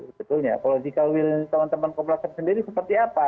sebetulnya political will teman teman komnas ham sendiri seperti apa